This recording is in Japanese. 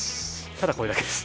ただこれだけです。